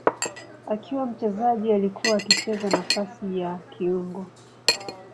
Akiwa mchezaji alikuwa akicheza nafasi ya kiungo.